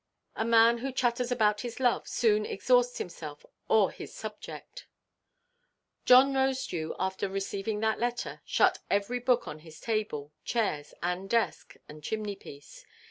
A man who chatters about his love soon exhausts himself or his subject. John Rosedew, after receiving that letter, shut every book on his table, chairs, and desk, and chimney–piece.